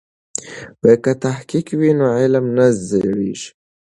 که تحقیق وي نو علم نه زړیږي.